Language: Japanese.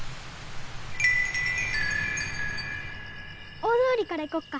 大通りから行こっか。